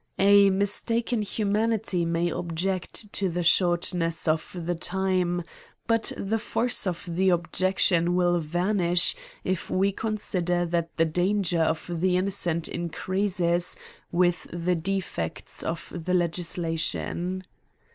A mistaken humanity may ob ject to the shortness of the time, but the force of the objection will vanish if we consider that the danger of the innocent increases with the defects of the legislation.